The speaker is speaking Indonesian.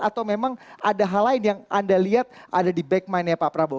atau memang ada hal lain yang anda lihat ada di back mind nya pak prabowo